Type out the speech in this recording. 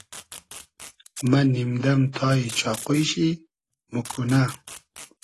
مۂ نیم دئم تای چاقوی شی ، موکونۂ